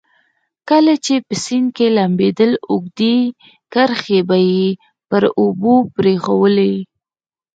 کله چې په سیند کې لمبېدل اوږدې کرښې به یې پر اوبو پرېښوولې.